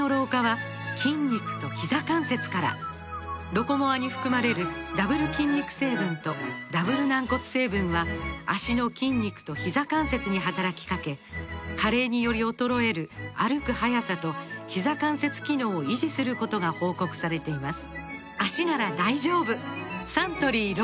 「ロコモア」に含まれるダブル筋肉成分とダブル軟骨成分は脚の筋肉とひざ関節に働きかけ加齢により衰える歩く速さとひざ関節機能を維持することが報告されています